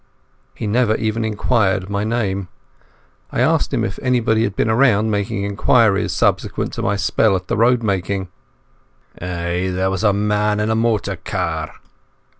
He never even sought my name. I asked him if anybody had been around making inquiries subsequent to my spell at the road making. "Ay, there was a man in a motor cawr.